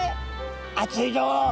「熱いよ。